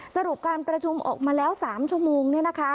สรุปการประชุมออกมาแล้ว๓ชั่วโมง